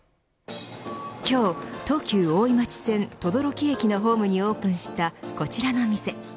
今日、東急大井町線等々力駅のホームにオープンしたこちらのお店。